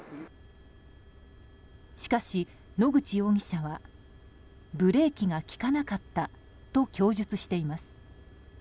しかし、野口容疑者はブレーキが利かなかったと供述しています。